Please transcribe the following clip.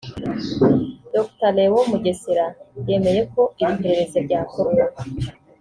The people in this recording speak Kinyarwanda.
Dr Leon Mugesera yemeye ko iri perereza ryakorwa